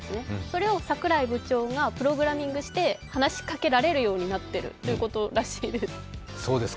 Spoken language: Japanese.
それをさくらい部長がプログラミングして話しかけられるようになっているということだそうです。